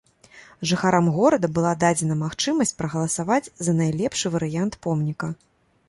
Жыхарам горада была дадзена магчымасць прагаласаваць за найлепшы варыянт помніка.